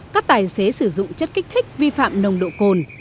các tài xế sử dụng chất kích thích vi phạm nồng độ cồn